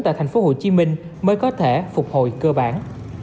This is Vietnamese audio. tại thành phố hồ chí minh mới có thể phục hồi cơ bản